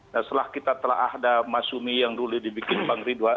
setelah kita telah ada masyumi yang dulu dibikin penghidupan